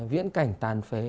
viễn cảnh tàn phế